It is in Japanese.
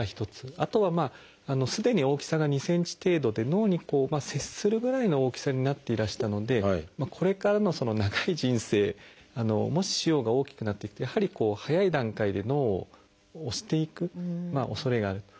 あとはすでに大きさが２ｃｍ程度で脳に接するぐらいの大きさになっていらしたのでこれからの長い人生もし腫瘍が大きくなっていくとやはり早い段階で脳を押していくおそれがあると。